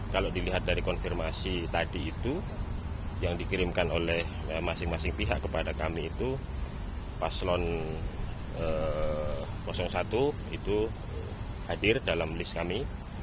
kalau dilihat dari konfirmasi tadi itu yang dikirimkan oleh masing masing pihak kepada kami itu paslon satu itu hadir dalam list kami